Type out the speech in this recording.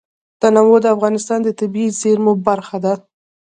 تنوع د افغانستان د طبیعي زیرمو برخه ده.